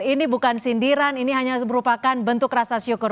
ini bukan sindiran ini hanya merupakan bentuk rasa syukur